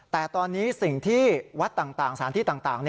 แต่ตอนนี้สิ่งที่วัดต่างสถานที่ต่าง